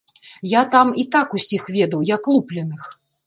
Я там і так усіх ведаў, як лупленых.